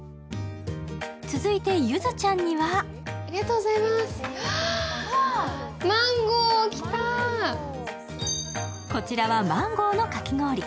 続いて、ゆずちゃんにはこちらはマンゴーのかき氷。